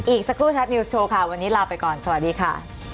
อีกสักครู่แท็บนิวส์โชว์ค่ะวันนี้ลาไปก่อนสวัสดีค่ะ